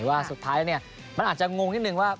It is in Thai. ว่าสุดท้ายเนี่ยมันอาจจะงงนิดนึงว่า